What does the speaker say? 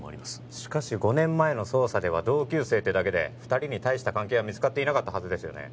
しかし５年前の捜査では同級生ってだけで二人に大した関係は見つかっていなかったはずですよね